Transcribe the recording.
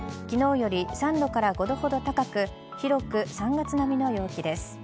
昨日より３度から５度ほど高く広く３月並みの陽気です。